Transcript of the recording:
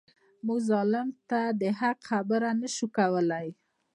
موږ ظالم ته د حق خبره نه شو کولای.